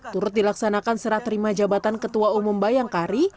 turut dilaksanakan serah terima jabatan ketua umum bayangkari